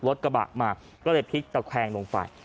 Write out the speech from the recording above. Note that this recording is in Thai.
รถกระบะมาก็เลยพลิกตะแคงลงไป